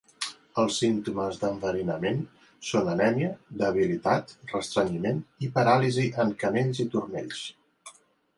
Els símptomes d'enverinament són anèmia, debilitat, restrenyiment i paràlisi en canells i turmells.